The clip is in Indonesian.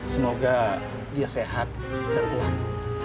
semoga dia sehat dan kuat